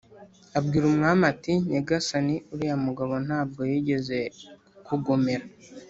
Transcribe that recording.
abwira umwami ati: «nyagasani uriya mugabo nta bwo yigeze kukugomera,